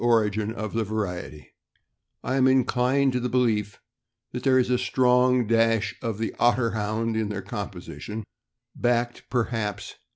origin of the variety. I am inclined to the belief that there is a strong dash of the Otter Hound in their composition, backed, perhaps, P L i AIREDALE TERRIER— WEAVER.